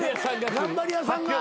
頑張り屋さんが。